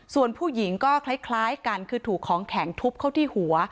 ส่วนผู้หญิงก็คล้ายกันคือถูกของแข็งทุบเข้าที่หัว